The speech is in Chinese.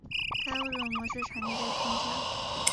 该物种的模式产地在汤加。